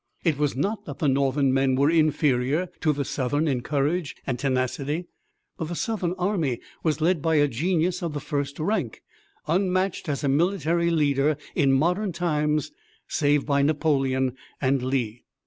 It was not that the Northern men were inferior to the Southern in courage and tenacity, but the Southern army was led by a genius of the first rank, unmatched as a military leader in modern times, save by Napoleon and Lee.